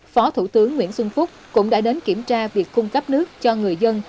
phó thủ tướng nguyễn xuân phúc cũng đã đến kiểm tra việc cung cấp nước cho người dân